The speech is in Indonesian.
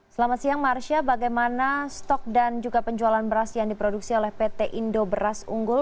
selamat siang marsha bagaimana stok dan juga penjualan beras yang diproduksi oleh pt indo beras unggul